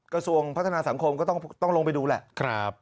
กระทรวงพัฒนาสังคมก็ต้องลงไปดูแหละ